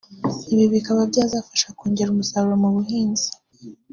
ibi bikaba byazafasha kongera umusaruro mu buhinzi